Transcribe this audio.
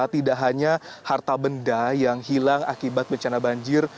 tidak hanya harta benda yang hilang akibat bencana banjir